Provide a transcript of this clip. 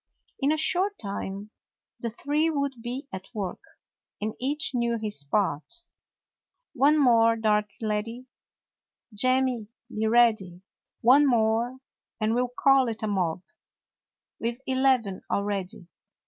In a short time the three would be at work, and each knew his part. "One more, Darky lad; Jemmy, be ready. One more, and we 'll call it a mob. We 've eleven already.